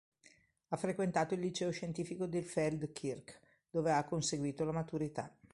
Ha frequentato il liceo scientifico di Feldkirch, dove ha conseguito la maturità.